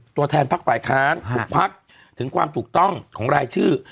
ตัวแทนพักฝ่ายค้านทุกพักถึงความถูกต้องของรายชื่อ